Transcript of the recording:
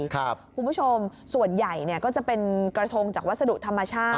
คุณผู้ชมส่วนใหญ่ก็จะเป็นกระทงจากวัสดุธรรมชาติ